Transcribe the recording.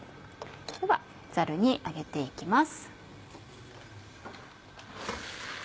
ではザルに上げて行きます。